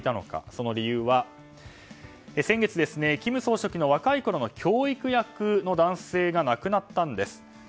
その理由は先月、金総書記の若いころの教育役の男性が亡くなったんです。